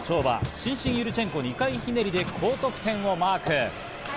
伸身ユルチェンコ２回ひねりで高得点をマーク。